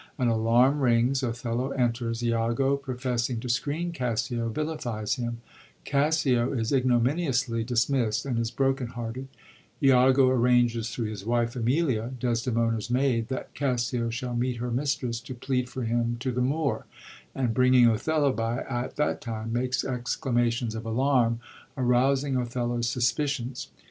An alarm rings; Othello 122 OTHELLO— MACBETH enters ; lago, professing to screen Cassio, vilifies him ; Oassio is ignominiously disniisst, and is broken hearted, lago arranges, thru his wife Emilia, Desdemona's maid, that Oassio shall meet her mistress, to plead for him to the Moor; and bringing Othello by at the time, makes exclamations of alarm, arousing Othello's sus picions.